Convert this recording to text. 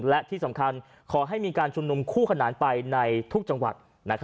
และที่สำคัญขอให้มีการชุมนุมคู่ขนานไปในทุกจังหวัด